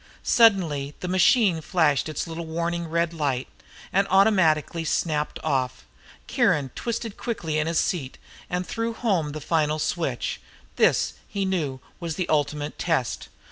Suddenly the machine flashed its little warning red light and automatically snapped off. Kiron twisted quickly in his seat and threw home the final switch. This, he knew, was the ultimate test.